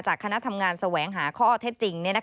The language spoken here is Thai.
คณะทำงานแสวงหาข้อเท็จจริง